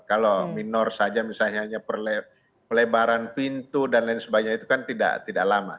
kalau minor saja misalnya hanya pelebaran pintu dan lain sebagainya itu kan tidak lama